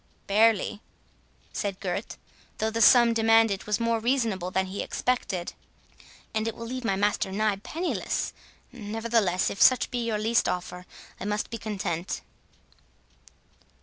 "Barely," said Gurth, though the sum demanded was more reasonable than he expected, "and it will leave my master nigh penniless. Nevertheless, if such be your least offer, I must be content."